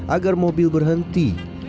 agar mobil berhenti